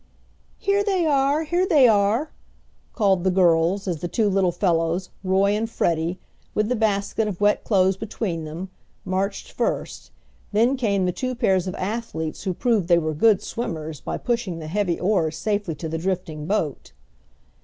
"Here they are! Here they are!" called the girls as the two little fellows, Roy and Freddie, with the basket of wet clothes between them, marched first; then came the two pairs of athletes who proved they were good swimmers by pushing the heavy oars safely to the drifting boat.